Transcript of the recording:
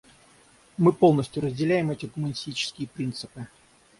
Мы полностью разделяем эти гуманистические принципы.